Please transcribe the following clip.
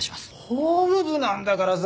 法務部なんだからさ